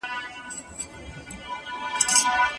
د پښتو تورو د سم استعمال لپاره املا یو ګټوره او اساسي لاره ده.